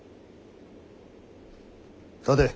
立て。